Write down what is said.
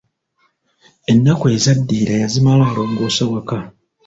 Ennaku ezaddirira yazimala alongoosa waka.